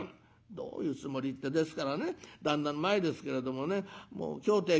「どういうつもりってですからね旦那の前ですけれどもねもう今日ってえ